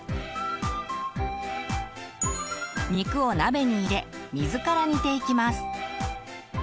肉を鍋に入れ水から煮ていきます。